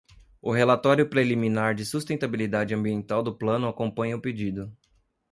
O relatório preliminar de sustentabilidade ambiental do plano acompanha o pedido.